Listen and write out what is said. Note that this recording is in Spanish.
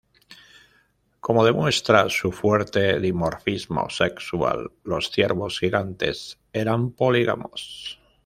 Como demuestra su fuerte dimorfismo sexual, los ciervos gigantes eran polígamos.